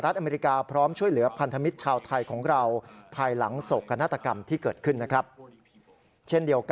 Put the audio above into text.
ตอนทางเองมีซีฝาเนซี่